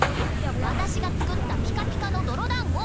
私が作ったピカピカの泥だんご。